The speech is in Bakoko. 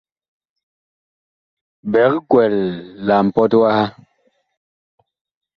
Biig kwɛl la mpɔt waha.